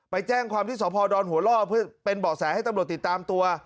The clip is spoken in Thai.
ไปแจ้งความที่สพดอนหัวล่อเพื่อเป็นเบาะแสให้ตำรวจติดตามตัว